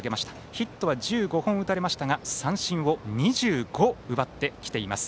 ヒットは１５本打たれましたが三振を２５奪ってきています。